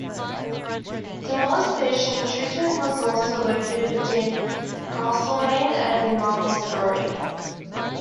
Demolished station Chewton was also located between Castlemaine and Malmsbury.